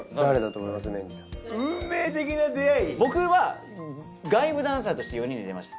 僕は外部ダンサーとして４人で出ました。